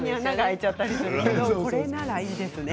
これならいいですね。